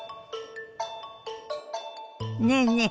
ねえねえ